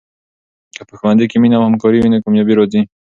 که په ښوونځي کې مینه او همکاري وي، نو کامیابي راځي.